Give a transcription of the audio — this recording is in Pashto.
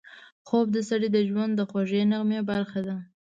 خوب د سړي د ژوند د خوږې نغمې برخه ده